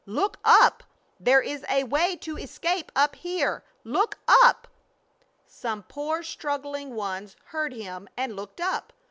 Look up! There is a way to escape up here! Look up!" Some poor struggling ones heard him and looked up.